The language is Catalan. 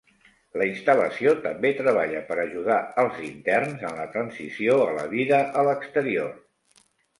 La instal·lació també treballa per ajudar als interns en la transició a la vida a l'exterior.